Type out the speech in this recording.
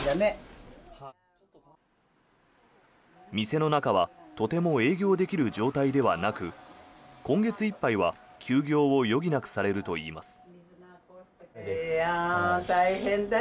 店の中はとても営業できる状態ではなく今月いっぱいは休業を余儀なくされるといいます。